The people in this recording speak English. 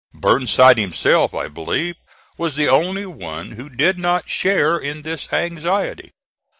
Burnside himself, I believe, was the only one who did not share in this anxiety.